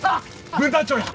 分団長や！